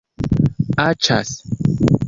aĉas